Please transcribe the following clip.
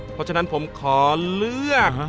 เพราะฉะนั้นผมขอเลือก